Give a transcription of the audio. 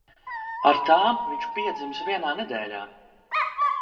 Ar tām viņš piedzimis vienā nedēļā.